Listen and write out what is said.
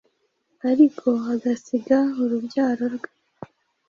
ariko agasiga urubyaro, rwe